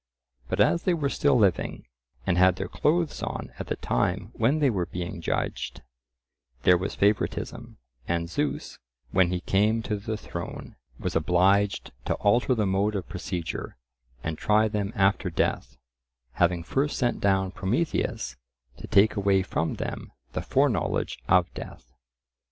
But as they were still living, and had their clothes on at the time when they were being judged, there was favouritism, and Zeus, when he came to the throne, was obliged to alter the mode of procedure, and try them after death, having first sent down Prometheus to take away from them the foreknowledge of death.